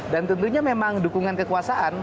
dan tentunya memang dukungan kekuasaan